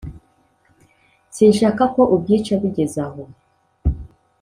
Sinshaka ko ubyica bigeze aho